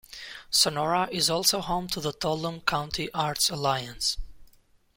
Sonora is also home to the Tuolumne County Arts Alliance.